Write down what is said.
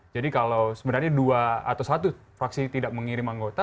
jadi kalau sebenarnya dua atau satu fraksi tidak mengirim anggota